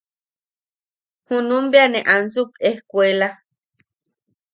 Junum bea ne ansuk ejkuela.